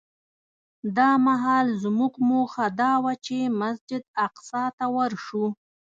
دا مهال زموږ موخه دا وه چې مسجد اقصی ته ورشو.